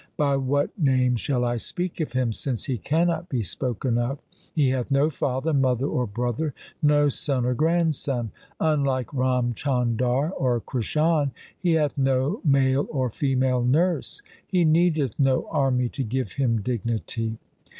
By what name shall I speak of Him since He cannot be spoken of ? He hath no father, mother, or brother, no son or grandson. Unlike Ram Chandar or Krishan He hath no male or female nurse. He needeth no army to give Him dignity.